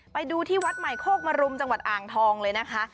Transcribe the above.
ไปดูที่วัดใหม่โคกมรุมจังหวัดอ่างทองเลยนะคะ